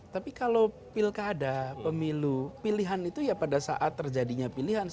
tapi kalau pilkada pemilu pilihan itu ya pada saat terjadinya pilihan